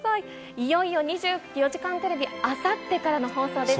いよいよ２４時間テレビ、あさってからの放送です。